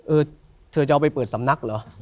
เออเธอจะเอาไปเปิดสำนักเหรอ